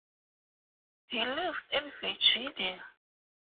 He lives in Virginia.